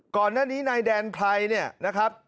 ก่อนหน้านี้นายแดนไพรเนี่ยนะครับ